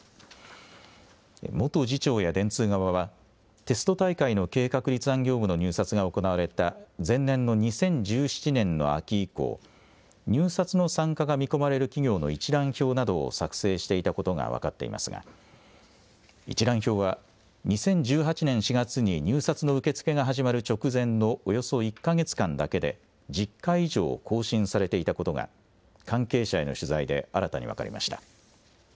元次長や電通側は、テスト大会の計画立案業務の入札が行われた前年の２０１７年の秋以降、入札の参加が見込まれる企業の一覧表などを作成していたことが分かっていますが、一覧表は、２０１８年４月に入札の受け付けが始まる直前のおよそ１か月間だけで、１０回以上更新されていたことが、関係者への取材で新たに分かりました。